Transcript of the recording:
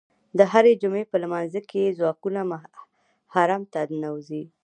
د هرې جمعې په لمانځه کې یې ځواکونه حرم ته ننوځي.